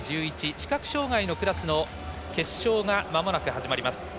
視覚障がいのクラスの決勝がまもなく始まります。